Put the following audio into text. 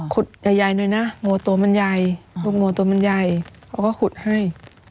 ขุดใหญ่ใหญ่หน่อยน่ะงัวตัวมันใหญ่ลูกงัวตัวมันใหญ่เขาก็ขุดให้อ๋อ